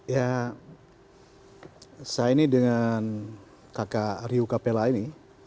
ya saya ini dengan kakak rio capella ini